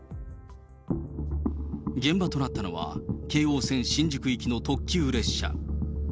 現場となったのは、京王線新宿行きの特急列車。